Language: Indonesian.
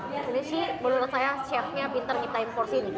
ini sih menurut saya chefnya pinter ngetahuin for sini